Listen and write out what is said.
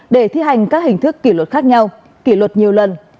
để thi hành các hình thức kỷ luật khác nhau kỷ luật nhiều lần